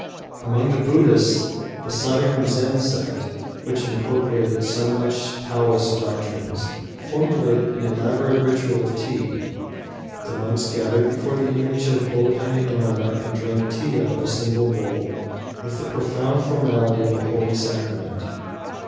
Among the Buddhists, the southern Zen sect, which incorporated so much of Taoist doctrines, formulated an elaborate ritual of tea. The monks gathered before the image of Bodhi Dharma and drank tea out of a single bowl with the profound formality of a holy sacrament.